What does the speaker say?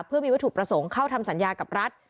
เพื่อมีวัตถุประสงค์เข้าทำสัญญากับรัฐ